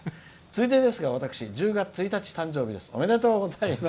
ついでですが私１０月１日、誕生日です」。